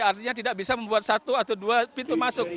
artinya tidak bisa membuat satu atau dua pintu masuk